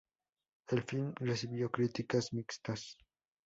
El film recibió críticas mixtas.